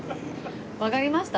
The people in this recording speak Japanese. わかりました？